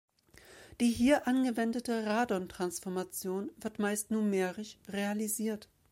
Die hier angewendete Radon Transformation wird meist numerisch realisiert.